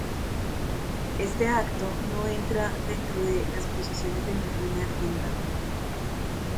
Este acto no entra dentro de las procesiones de ninguna hermandad.